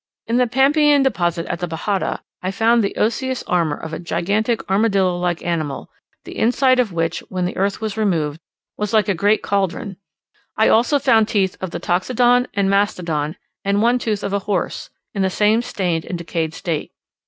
In the Pampaean deposit at the Bajada I found the osseous armour of a gigantic armadillo like animal, the inside of which, when the earth was removed, was like a great cauldron; I found also teeth of the Toxodon and Mastodon, and one tooth of a Horse, in the same stained and decayed state.